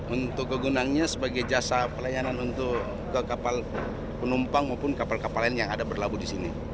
untuk kegunangnya sebagai jasa pelayanan untuk kapal penumpang maupun kapal kapal lain yang ada berlabuh di sini